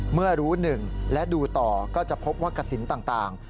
เมื่อรู้หนึ่งและดูต่อก็จะพบว่ากระสินต่าง